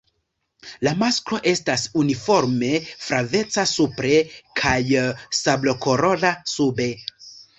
La masklo estas uniforme flaveca supre kaj sablokolora sube.